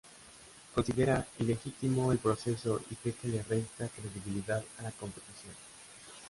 Considera ilegítimo el proceso y cree que le resta credibilidad a la competición.